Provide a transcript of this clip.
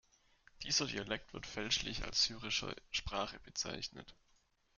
Dieser Dialekt wird fälschlich als syrische Sprache bezeichnet.